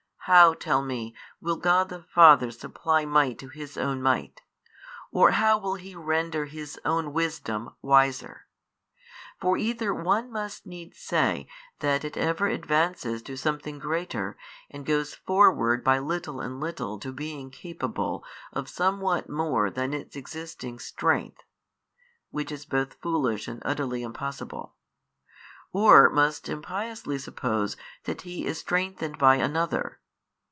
how (tell me) will God the Father supply might to His own Might, or how will He render His own Wisdom wiser? For either one must needs say that it ever advances to something greater and goes forward by little and little to being capable of somewhat more than its existing strength (which is both foolish and utterly impossible), or must impiously suppose that He is strengthened by another.